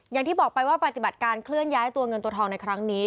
อย่างที่บอกไปว่าปฏิบัติการเคลื่อนย้ายตัวเงินตัวทองในครั้งนี้